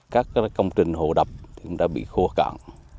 các công trình hồ đập đã bị khô cạn